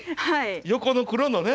横の黒のね。